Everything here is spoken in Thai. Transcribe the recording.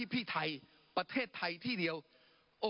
ปรับไปเท่าไหร่ทราบไหมครับ